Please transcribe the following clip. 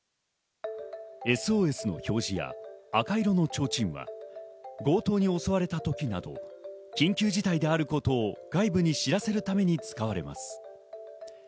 ＳＯＳの表示が赤色の提灯は強盗に襲われた時など緊急事態であることを外部に知らせるために使われます。